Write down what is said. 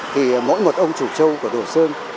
thì mỗi một ông chủ châu của đổ sơn